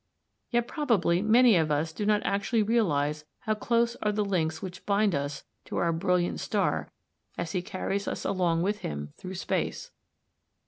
Yet probably many of us do not actually realise how close are the links which bind us to our brilliant star as he carries us along with him through space.